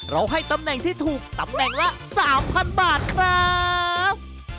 ให้ตำแหน่งที่ถูกตำแหน่งละ๓๐๐บาทครับ